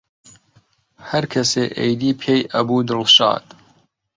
هەرکەسێ ئەیدی پێی ئەبوو دڵشاد